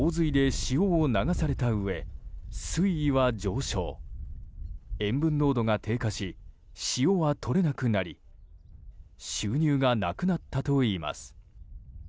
塩分濃度が低下し塩はとれなくなり収入がなくなったといいます。